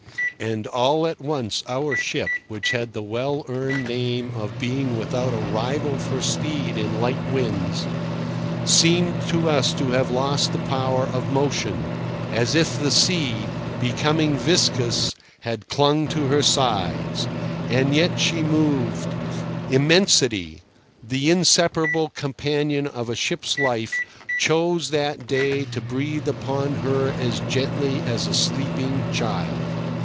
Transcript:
And all at once our ship, which had the well earned name of being without a rival for speed in light winds, seemed to us to have lost the power of motion, as if the sea, becoming viscous, had clung to her sides. And yet she moved. Immensity, the inseparable companion of a ship's life, chose that day to breathe upon her as gently as a sleeping child.